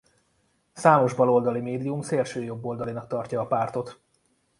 Számos baloldali médium szélsőjobboldalinak tartja a pártot.